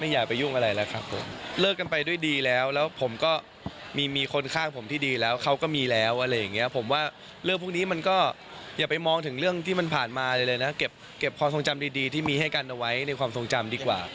อย่าไปมองถึงเรื่องที่มันผ่านมาเลยนะเก็บความทรงจำดีที่มีให้กันเอาไว้ในความทรงจำดีกว่า